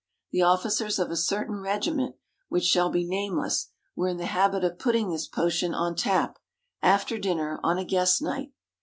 The officers of a certain regiment which shall be nameless were in the habit of putting this potion on tap, after dinner on a guest night.